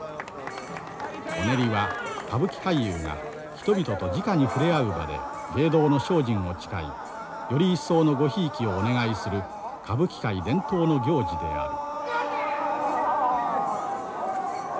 お練りは歌舞伎俳優が人々とじかに触れ合う場で芸道の精進を誓いより一層のごひいきをお願いする歌舞伎界伝統の行事である。